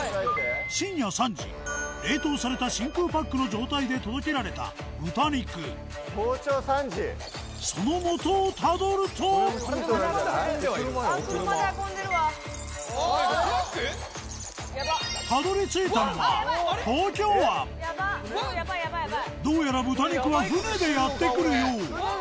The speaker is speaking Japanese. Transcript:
深夜３時冷凍された真空パックの状態で届けられた豚肉その元をたどるとたどり着いたのはどうやら豚肉は船でやってくるよう。